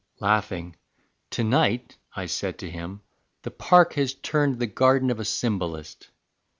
Laughing, "To night," I said to him, "the Park Has turned the garden of a symbolist.